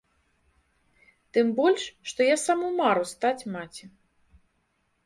Тым больш, што я саму мару стаць маці.